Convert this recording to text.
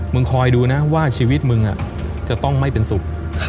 คอยดูนะว่าชีวิตมึงจะต้องไม่เป็นสุข